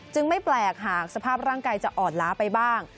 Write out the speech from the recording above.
ไม่แปลกหากสภาพร่างกายจะอ่อนล้าไปบ้าง